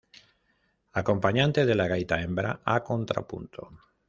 Acompañante de la gaita hembra, a contrapunto.